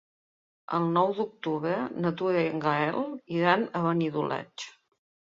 El nou d'octubre na Tura i en Gaël iran a Benidoleig.